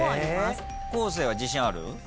昴生は自信ある？